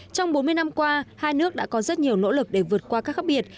trong bốn mươi năm qua hai nước đã có rất nhiều nỗ lực để vượt qua các khác biệt